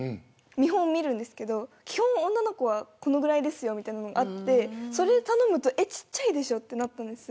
見本、見るんですけど基本女の子はこのぐらいですよみたいなのがあってそれを頼むとえ、ちっちゃいでしょとなったんです。